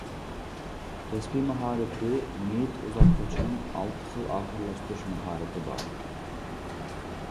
كەسپى ماھارىتى مېيىت ئۇزاتقۇچىنىڭ ئالتە خىل ئاخىرلاشتۇرۇش ماھارىتى بار.